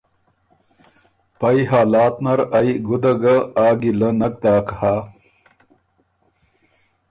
پئ حالات نر ائ ګُده ګه آ ګیله نک داک هۀ